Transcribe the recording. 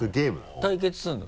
対決するの？